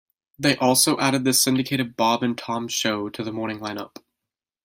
They also added the syndicated Bob and Tom Show to the morning lineup.